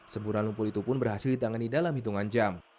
semburan lumpur itu pun berhasil ditangani dalam hitungan jam